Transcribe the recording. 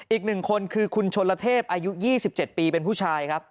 อีก๑คนคือคุณชนละเทพอายุ๒๗ปีเป็นผู้ชายครับ